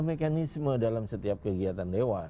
mekanisme dalam setiap kegiatan dewan